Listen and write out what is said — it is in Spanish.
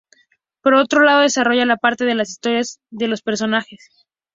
Por otro lado desarrolla la parte de las historias de los personajes.